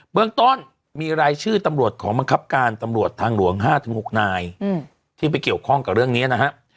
เรื่องต้นมีรายชื่อตำรวจของบังคับการตำรวจทางหลวง๕๖นายที่ไปเกี่ยวข้องกับเรื่องนี้นะฮะ